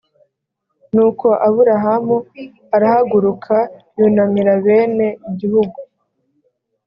nuko aburahamu arahaguruka yunamira bene igihugu